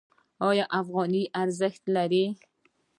آیا افغانۍ ارزښت لري؟